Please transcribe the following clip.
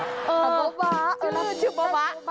เออชื่อชื่อโบ๊ะบะ